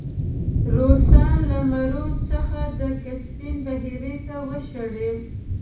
روسان له مرو څخه د کسپین بحیرې ته وشړی.